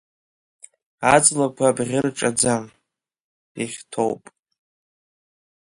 Аҵлақәа абӷьы рҿаӡам, ихьҭоуп.